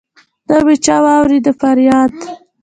نه مي چا واوريد فرياد